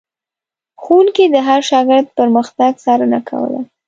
ښوونکي د هر شاګرد پرمختګ څارنه کوله.